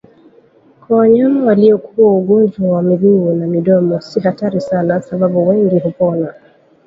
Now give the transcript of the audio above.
Kwa wanyama waliokua ugonjwa wa miguu na midomo si hatari sana sababu wengi hupona